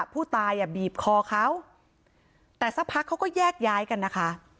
ผู้ตายอ่ะบีบคอเขาแต่สักพักเขาก็แยกย้ายกันนะคะ